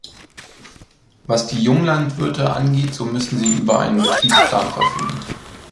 Was die Junglandwirte angeht, so müssen sie über einen Betriebsplan verfügen.